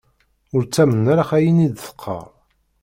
Ur ttamen ara ayen i d-teqqar.